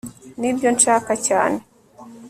nibyo nshaka cyane